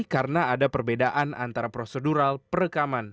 karena ada perbedaan antara prosedural perekaman